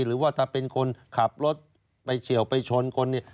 หรือว่าถ้าเป็นคนขับรถไปเฉียวไปชนคนเนี่ย